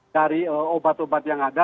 dari obat obat yang ada